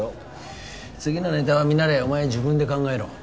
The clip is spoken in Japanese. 次のネタはミナレお前自分で考えろ。